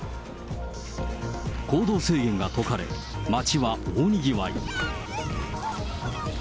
行動制限が解かれ、街は大にぎわい。